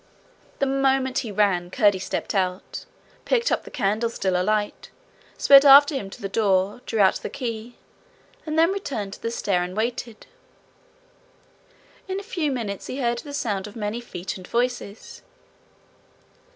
The moment he ran, Curdie stepped out, picked up the candle still alight, sped after him to the door, drew out the key, and then returned to the stair and waited. In a few minutes he heard the sound of many feet and voices.